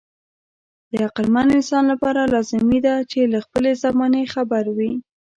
د عقلمن انسان لپاره لازمي ده چې له خپلې زمانې خبر وي.